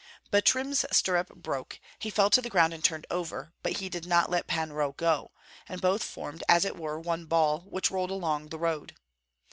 Butrym's stirrup broke; he fell to the ground and turned over, but he did not let Pan Roh go, and both formed as it were one ball, which rolled along the road.